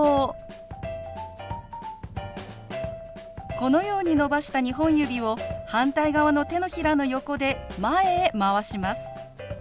このように伸ばした２本指を反対側の手のひらの横で前へ回します。